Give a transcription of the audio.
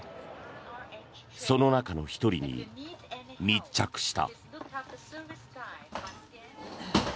その中の１人に密着した。